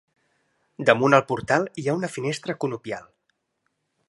Damunt el portal hi ha una finestra conopial.